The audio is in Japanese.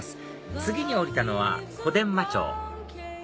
次に降りたのは小伝馬町